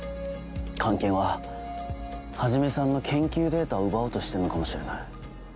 菅研は始さんの研究データを奪おうとしてるのかもしれない。